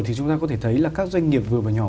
thì chúng ta có thể thấy là các doanh nghiệp vừa và nhỏ